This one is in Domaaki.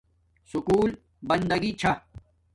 سکول بندگی چھا